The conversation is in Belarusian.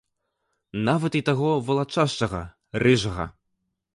Нават і таго валачашчага, рыжага.